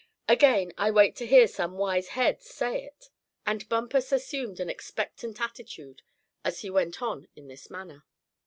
Again I wait to hear some wise head say it," and Bumpus assumed an expectant attitude as he went on in this manner.